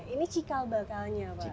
ini cikal bakalnya pak